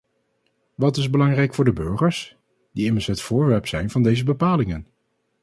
Wat is belangrijk voor de burgers, die immers het voorwerp zijn van deze bepalingen?